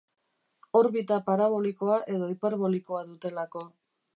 Orbita parabolikoa edo hiperbolikoa dutelako.